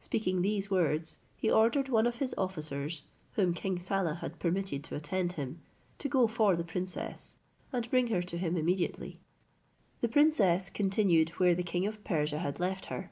Speaking these words, he ordered one of his officers, whom King Saleh had permitted to attend him, to go for the princess, and bring her to him immediately. The princess continued where the king of Persia had left her.